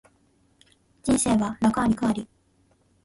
人生は楽あり苦あり